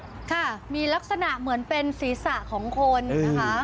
ค่ะมีลักษณะเหมือนเป็นศีรษะของคนนะคะ